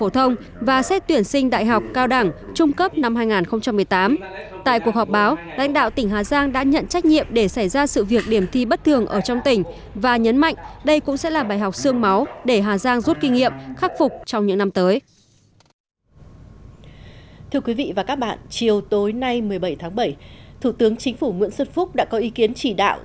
thưa quý vị và các bạn chiều tối nay một mươi bảy tháng bảy thủ tướng chính phủ nguyễn xuân phúc đã có ý kiến chỉ đạo